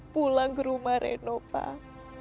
pulang ke rumah reno pak